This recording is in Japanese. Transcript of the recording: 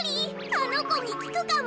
あのこにきくかも。